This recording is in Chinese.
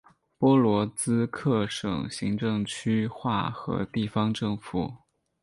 波罗兹克省行政区划和地方政府。